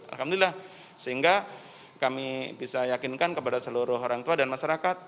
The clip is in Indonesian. alhamdulillah sehingga kami bisa yakinkan kepada seluruh orang tua dan masyarakat